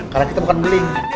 karena kita bukan beling